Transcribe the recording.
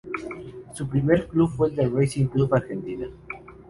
Su primer club fue el Racing Club de Argentina.